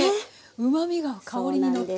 うまみが香りにのってます。